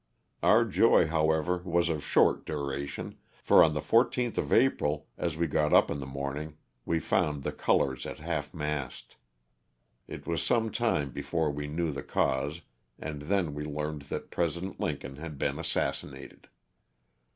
Our joy, however, was of short duration, for on the 14th of April, as we got up in the morning, we found the colors at half mast. It was sometime before we knew the cause and then we learned that President Lincoln had been assassinated.